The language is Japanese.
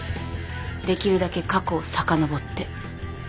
できるだけ過去をさかのぼって